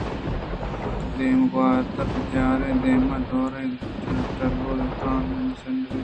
دائم گوٛات ءَبِہ چار ءُ دام ءَ دئور دئے ٹِلّو قرنءُ سَنداں پیش